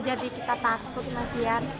jadi kita takut mas ya